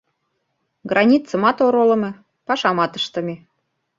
Границымат оролымо, пашамат ыштыме.